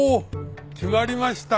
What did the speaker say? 決まりましたか。